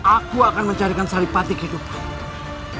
aku akan mencarikan saripati kehidupan